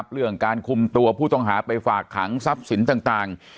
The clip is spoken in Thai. เรื่องการคุมตัวผู้ต้องหาไปฝากขังทรัพย์สินต่าง